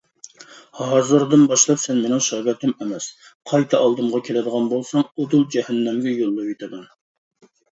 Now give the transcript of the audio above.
ھازىردىن باشلاپ سەن مېنىڭ شاگىرتىم ئەمەس! قايتا ئالدىمغا كېلىدىغان بولساڭ ئۇدۇل جەھەننەمگە يوللىۋېتىمەن!